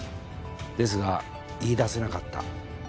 ですが言い出せなかった。